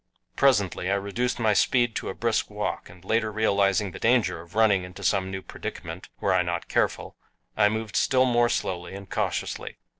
Presently I reduced my speed to a brisk walk, and later realizing the danger of running into some new predicament, were I not careful, I moved still more slowly and cautiously.